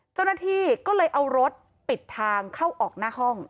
เจ้าหน้าที่ก็เลยเอารถปิดทางเข้าออกหน้าห้อง